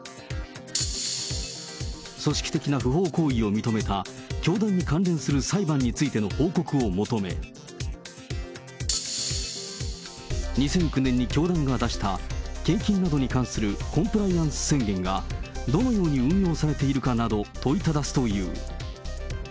組織的な不法行為を認めた教団に関連する裁判についての報告を求め、２００９年に教団が出した献金などに関するコンプライアンス宣言が、どのように運用されているかなど問いただすという。